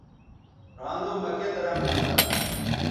رھاندو مہ کیئت رنگ ھونتہ